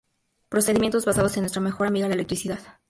Procedimientos basados en nuestra mejor amiga: La electricidad.